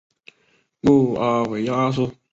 穆阿维亚二世。